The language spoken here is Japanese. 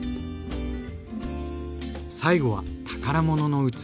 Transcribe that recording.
最後は宝物の器。